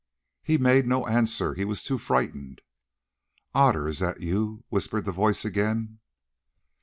He made no answer, he was too frightened. "Otter, is that you?" whispered the voice again.